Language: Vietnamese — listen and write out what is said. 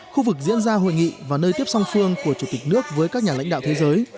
khu vực diễn ra hội nghị và nơi tiếp song phương của chủ tịch nước với các nhà lãnh đạo thế giới